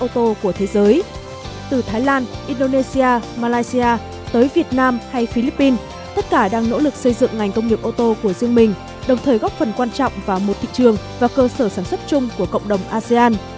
từ thái lan indonesia malaysia tới việt nam hay philippines tất cả đang nỗ lực xây dựng ngành công nghiệp ô tô của riêng mình đồng thời góp phần quan trọng vào một thị trường và cơ sở sản xuất chung của cộng đồng asean